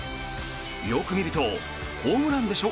よく見るとホームランでしょ？